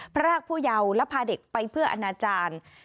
พรากผู้เยาว์และพาเด็กไปเพื่ออนาจารย์